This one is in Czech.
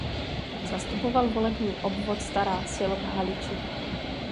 Zastupoval volební obvod Stara Sil v Haliči.